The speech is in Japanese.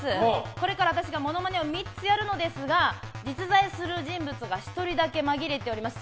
これから私がモノマネを３つやるのですが実在する人物が１人だけまぎれております。